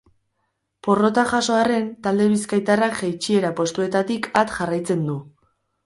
Porrota jaso arren, talde bizkaitarrak jaitsiera postuetatik at jarraitzen du.